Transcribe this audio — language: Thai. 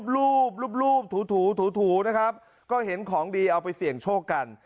รูปรูปถูถูนะครับก็เห็นของดีเอาไปเสี่ยงโชคกัน